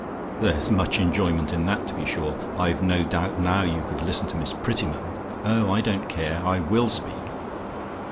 "There's much enjoyment in that, to be sure! I've no doubt now you could listen to Miss Prettyman oh, I don't care, I will speak.